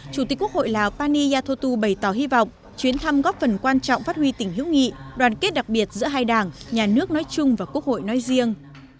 chủ tịch quốc hội lào pani yathotu bày tỏ hy vọng chuyến thăm góp phần quan trọng phát huy tình hữu nghị đoàn kết đặc biệt giữa hai đảng nhà nước nói chung và quốc hội nói riêng